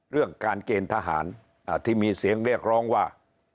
เรื่องการเกณฑ์ทหารที่มีเสียงเรียกร้องว่า